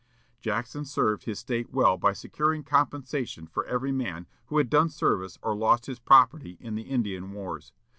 Jackson served his State well by securing compensation for every man who had done service or lost his property in the Indian wars.